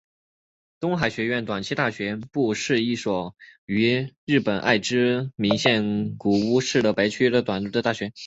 东海学园短期大学部是一所位于日本爱知县名古屋市天白区的私立短期大学。